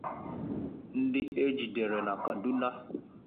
ndị e jidere na Kaduna